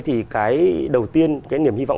thì cái đầu tiên cái niềm hy vọng